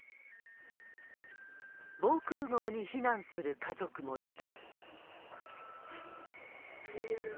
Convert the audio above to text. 防空ごうに避難する家族もいた。